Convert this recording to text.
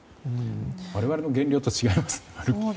我々の減量と違いますね。